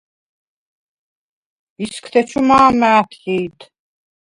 ისგთეჩუ მა̄მა ა̈თჰი̄დ.